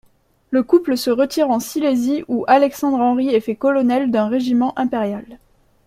Le couple se retire en Silésie où Alexandre-Henri est fait colonel d'un régiment impérial.